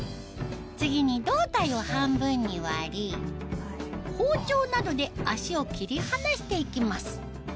次に胴体を半分に割り包丁などで脚を切り離して行きます